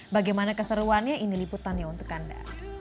bagaimana keseruannya ini liputannya untuk anda